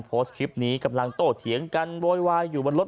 โพสต์คลิปนี้กำลังโตเถียงกันโวยวายอยู่บนรถ